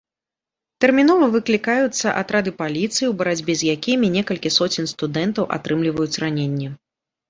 Тэрмінова выклікаюцца атрады паліцыі, у барацьбе з якімі некалькі соцень студэнтаў атрымліваюць раненні.